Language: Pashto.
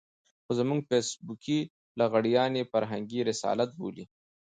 خو زموږ فېسبوکي لغړيان يې فرهنګي رسالت بولي.